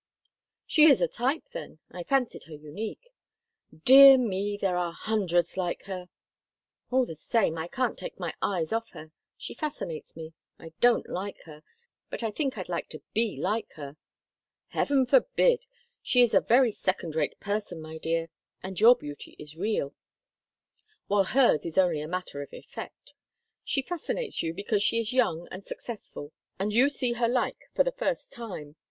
"She is a type, then. I fancied her unique." "Dear me! There are hundreds like her." "All the same, I can't take my eyes off her. She fascinates me. I don't like her—but I think I'd like to be like her." "Heaven forbid! She is a very second rate person, my dear, and your beauty is real, while hers is only a matter of effect. She fascinates you because she is young and successful, and you see her like for the first time.